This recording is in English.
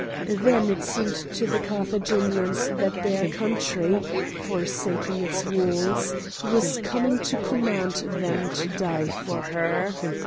Then it seemed to the Carthaginians that their country, forsaking its walls, was coming to command them to die for her.